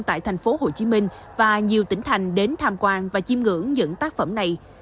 tại thành phố hồ chí minh và nhiều tỉnh thành đến tham quan và chiêm ngưỡng những tác phẩm này